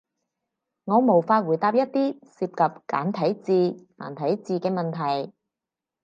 我無法回答一啲涉及簡體字、繁體字嘅提問